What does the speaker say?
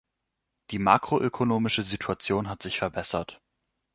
Die makroökonomische Situation hat sich verbessert.